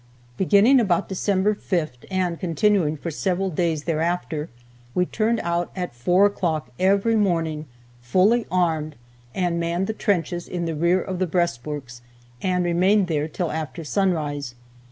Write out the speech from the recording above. Beginning about December 5th, and continuing for several days thereafter, we turned out at four o'clock every morning, fully armed, and manned the trenches in the rear of the breastworks, and remained there till after sunrise.